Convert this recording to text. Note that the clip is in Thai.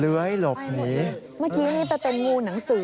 เมื่อกี้นี่แต่เป็นงูหนังสือ